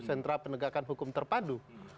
sentra penegakan hukum terpadu